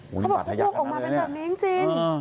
เขาบอกเขาโยกออกมาเป็นแบบนี้จริง